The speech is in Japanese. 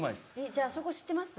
じゃああそこ知ってます？